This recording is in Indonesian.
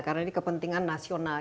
karena ini kepentingan nasional